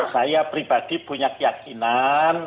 saya pribadi punya keyakinan